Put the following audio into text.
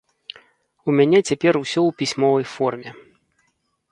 У мяне цяпер усё ў пісьмовай форме.